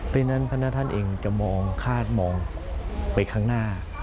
เพราะฉะนั้นพระนาท่านเองจะมองคาดมองไปข้างหน้า